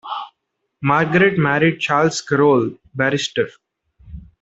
Margaret married Charles Carroll, Barrister.